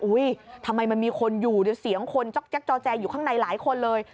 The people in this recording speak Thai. อุ๊ยทำไมมันมีคนอยู่เสียงคนยักษ์จอแจอยู่ข้างในหลายคนเลย